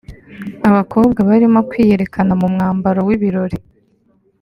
Abakobwa barimo kwiyerekana mu mwambaro w’ibirori